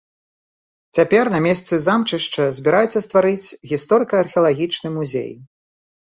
Цяпер на месцы замчышча збіраюцца стварыць гісторыка-археалагічны музей.